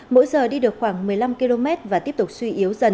mỗi giờ đi được khoảng một mươi năm km và tiếp tục suy yếu dần